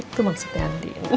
itu maksudnya nanti